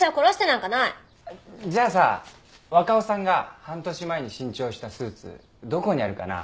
じゃあさ若尾さんが半年前に新調したスーツどこにあるかな？